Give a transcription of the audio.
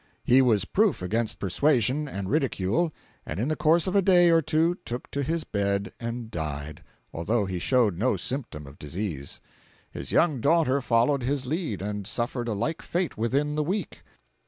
He was proof against persuasion and ridicule, and in the course of a day or two took to his bed and died, although he showed no symptom of disease. His young daughter followed his lead and suffered a like fate within the week.